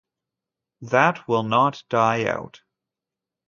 That will not die out.